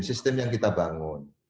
sistem yang kita bangun